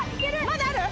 まだある？